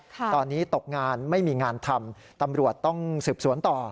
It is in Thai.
ตอนนี้ตกงานไม่มีงานทำตำรวจต้องสืบสวนต่อ